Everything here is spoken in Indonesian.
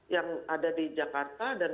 yang ada di jakarta dan